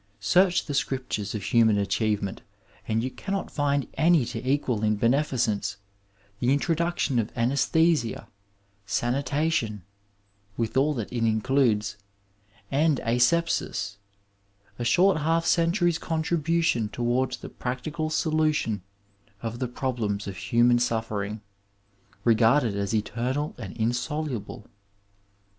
Search the scriptures of human achievement and you cannot find any to equal in beneficence the introduction of Anaesthesia, Sanitation, with all that it includes, and Asepsis — a short half centur^s contribution towards the practical solution of the pro blems of human sufEering, regarded as eternal and insolu ble.